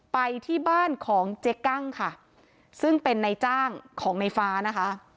ไปที่บ้านของเจ๊กั้งค่ะซึ่งเป็นนายจ้างของในฟ้านะคะ